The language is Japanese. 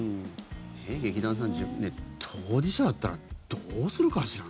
劇団さん当事者だったらどうするかしら。